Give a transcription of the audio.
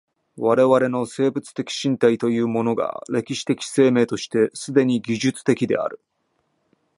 我々の生物的身体というものが歴史的生命として既に技術的である。